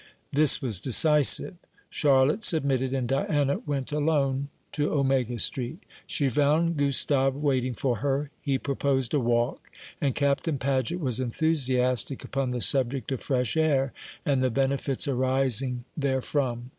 This was decisive. Charlotte submitted, and Diana went alone to Omega Street. She found Gustave waiting for her. He proposed a walk, and Captain Paget was enthusiastic upon the subject of fresh air, and the benefits arising therefrom.